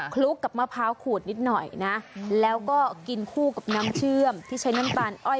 ลุกกับมะพร้าวขูดนิดหน่อยนะแล้วก็กินคู่กับน้ำเชื่อมที่ใช้น้ำตาลอ้อย